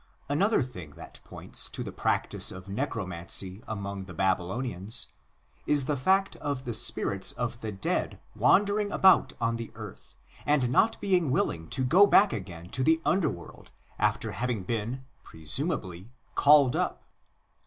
Another thing that points to the practice of Necromancy among the Babylonians is the fact of the spirits of the dead wandering about on the earth and not being willing to go back again to the underworld after having been, presumably, called up.